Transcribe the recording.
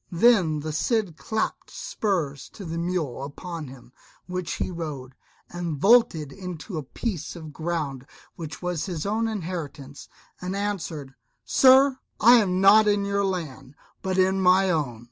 Then the Cid clapt spurs to the mule upon which he rode, and vaulted into a piece of ground which was his own inheritance, and answered, "Sir, I am not in your land, but in my own."